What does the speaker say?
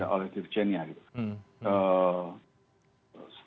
oleh dirjennya gitu